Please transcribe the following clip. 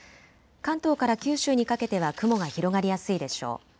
関東から九州にかけては雲が広がりやすいでしょう。